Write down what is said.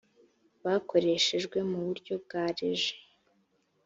bakoreshejwe mu buryo bwa reji